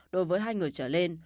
đối với hai người trở lên